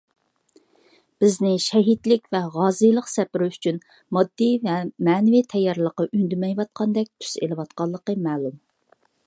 بىزنى شەھىدلىك ۋە غازىيلىق سەپىرى ئۈچۈن ماددىي ۋە مەنىۋى تەييارلىققا ئۈندىمەيۋاتقاندەك تۈس ئېلىۋاتقانلىقى مەلۇم.